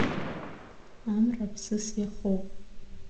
Амра ԥсыс иахоуп.